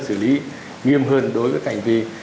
xử lý nghiêm hơn đối với cảnh vi